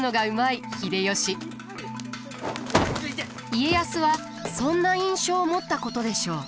家康はそんな印象を持ったことでしょう。